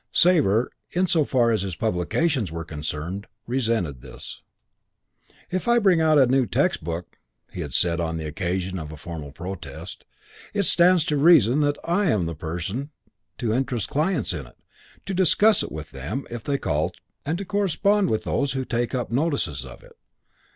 Sabre, in so far as his publications were concerned, resented this. "If I bring out a new textbook," he had said on the occasion of a formal protest, "it stands to reason that I am the person to interest clients in it; to discuss it with them if they call and to correspond with those who take up our notices of it."